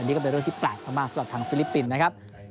นี่ก็เป็นเรื่องที่แปลกมากสำหรับทางฟิลิปปินส์นะครับ